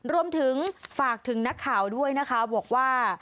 รวมถึงฝากถึงนักข่าวด้วยนะคะบอกว่า